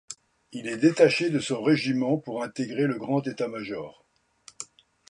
Il est détaché de son régiment pour intégrer le Grand État-major.